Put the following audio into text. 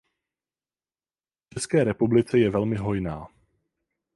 V České republice je velmi hojná.